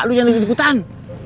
lu yang lagi ikutan